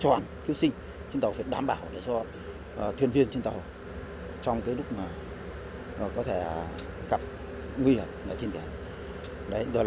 chọn cứu sinh trên tàu phải đảm bảo cho thuyền viên trên tàu trong lúc có thể cặp nguy hiểm trên kẻ